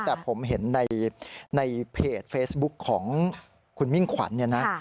แต่ผมเห็นในเพจเฟซบุ๊คของคุณมิ่งขวัญเนี่ยนะ